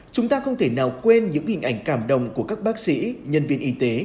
chúng ta không thể nào quên những hình ảnh cảm đồng của các bác sĩ nhân viên y tế